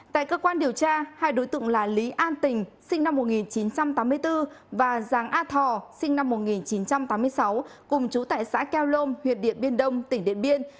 tại cơ quan điều tra hai đối tượng là lý an tình sinh năm một nghìn chín trăm tám mươi bốn và giàng a thò sinh năm một nghìn chín trăm tám mươi sáu cùng chú tại xã keom huyện điện biên đông tỉnh điện biên